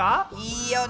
いいよね。